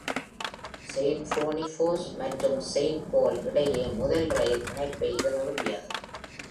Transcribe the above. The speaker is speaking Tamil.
செயிண்ட் போனிஃபேஸ் மற்றும் செயிண்ட் பால் இடையே முதல் ரயில் இணைப்பை இது நிறுவியது.